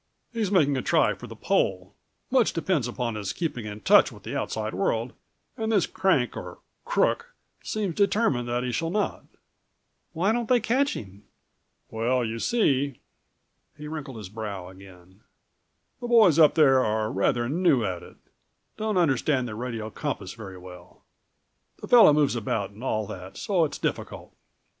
He's making a try for the Pole. Much depends upon his keeping in touch with the outside world and this crank or crook seems determined that he shall not." "Why don't they catch him?" "Well, you see," he wrinkled his brow again, "the boys up there are rather new at it. Don't understand the radio compass very well. The fellow moves about and all that, so it's difficult.